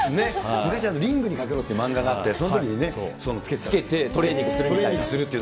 昔、リングにかけろっていう漫画があって、そのときにつけてトレーニングするっていう。